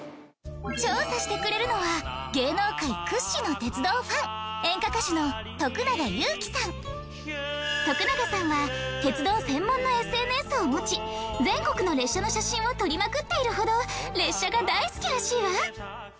調査してくれるのは徳永さんは鉄道専門のＳＮＳを持ち全国の列車の写真を撮りまくっているほど列車が大好きらしいわ。